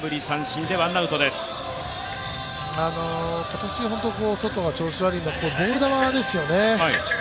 今年、本当にソトが調子悪いのはボール球ですよね。